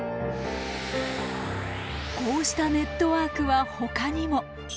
こうしたネットワークはほかにも。